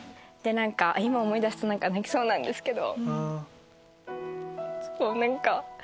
今思い出すと泣きそうなんですけど。